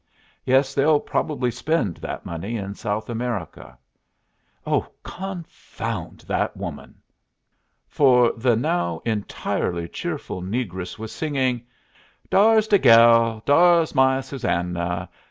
Yes, they'll probably spend that money in South America. Oh, confound that woman!" For the now entirely cheerful negress was singing: "'Dar's de gal, dar's my Susanna.